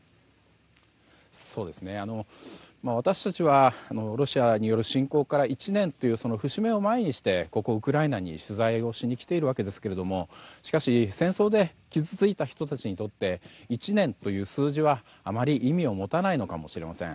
私たちはロシアによる侵攻から１年という節目を前にしてウクライナに取材をしに来ているわけですけどしかし、戦争で傷ついた人たちにとって１年という数字はあまり意味を持たないのかもしれません。